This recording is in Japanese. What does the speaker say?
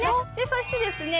そしてですね